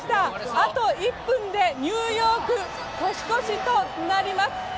あと１分でニューヨーク年越しとなります。